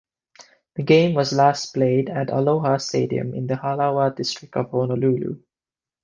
The game was last played at Aloha Stadium in the Halawa district of Honolulu.